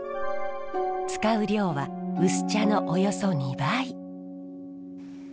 使う量は薄茶のおよそ２倍。